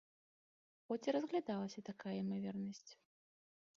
Хоць і разглядалася такая імавернасць.